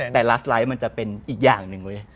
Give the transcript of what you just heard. แต่ลักษณ์ไลฟ์มันจะเป็นอีกอย่างหนึ่ง